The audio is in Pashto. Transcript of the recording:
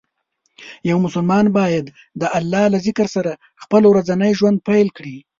یو مسلمان باید د الله له ذکر سره خپل ورځنی ژوند پیل کړي.